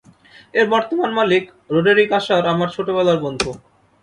এর বর্তমান মালিক রোডেরিক আশার আমার ছোটবেলার বন্ধু।